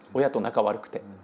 親と仲悪くて。